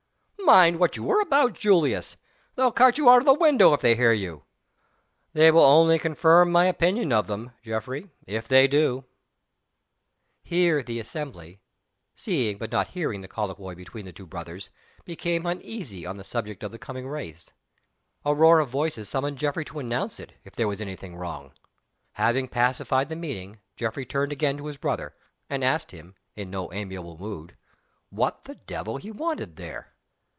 "Mind what you are about, Julius! They'll cart you out of window if they hear you." "They will only confirm my opinion of them, Geoffrey, if they do." Here the assembly, seeing but not hearing the colloquy between the two brothers, became uneasy on the subject of the coming race. A roar of voices summoned Geoffrey to announce it, if there was any thing wrong. Having pacified the meeting, Geoffrey turned again to his brother, and asked him, in no amiable mood, what the devil he wanted there?